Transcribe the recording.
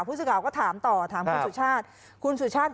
ผู้สื่อข่าวก็ถามต่อถามคุณสุชาติ